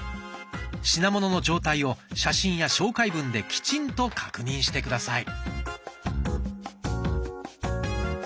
品物の状態を写真や紹介文できちんと確認して下さい。